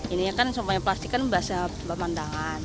ini kan sampah plastik kan basah pemandangan